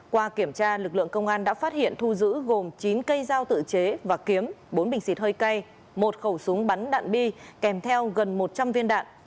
qua kiểm tra lực lượng công an đã phát hiện thu giữ gồm chín cây dao tự chế và kiếm bốn bình xịt hơi cay một khẩu súng bắn đạn bi kèm theo gần một trăm linh viên đạn